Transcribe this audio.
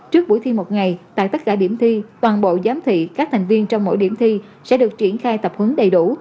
trước buổi thi một ngày tại tất cả điểm thi toàn bộ giám thị các thành viên trong mỗi điểm thi sẽ được triển khai tập huấn đầy đủ